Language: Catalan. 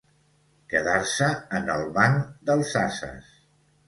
Quedar-se en el banc dels ases.